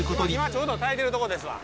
今ちょうど炊いてるとこですわ。